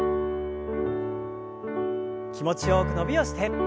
気持ちよく伸びをして。